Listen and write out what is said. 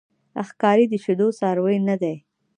ښکاري د شیدو څاروی نه دی.